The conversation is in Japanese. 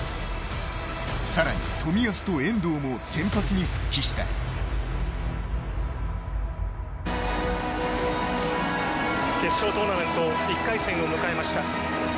さらに冨安と遠藤も決勝トーナメント１回戦を迎えました。